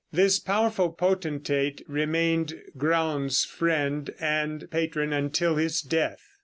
This powerful potentate remained Graun's friend and patron until his death.